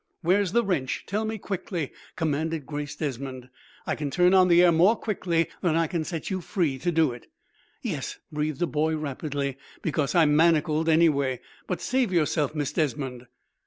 "Where's the wrench? Tell me quickly," commanded Grace Desmond. "I can turn on the air more quickly than I can set you free to do it." "Yes," breathed the boy, rapidly, "because I'm manacled, anyway. But save yourself, Miss Desmond."